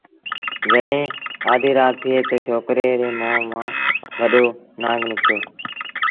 جڏهيݩ آڌيٚ رآت ٿئيٚ تا ڇوڪريٚ ري مݩهݩ مآݩ وڏو نکتو